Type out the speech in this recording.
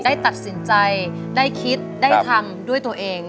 ได้ตัดสินใจได้คิดได้ทำด้วยตัวเอง